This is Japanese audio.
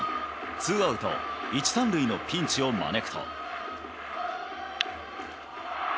ツーアウト１、３塁のピンチを招くと。